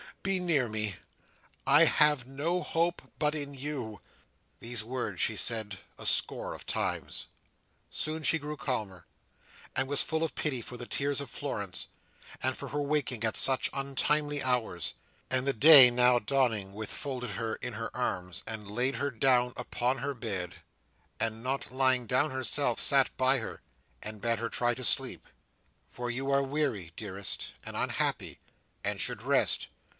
be near me! I have no hope but in you!" These words she said a score of times. Soon she grew calmer, and was full of pity for the tears of Florence, and for her waking at such untimely hours. And the day now dawning, Edith folded her in her arms and laid her down upon her bed, and, not lying down herself, sat by her, and bade her try to sleep. "For you are weary, dearest, and unhappy, and should rest."